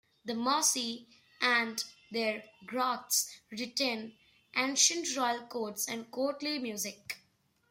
The Mossi and their griots retain ancient royal courts and courtly music.